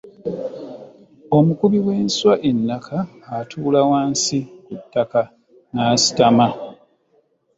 Omukubi w’enswa ennaka atuula wansi ku ttaka n’asitama.